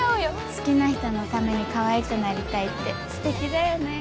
好きな人のためにかわいくなりたいって素敵だよね。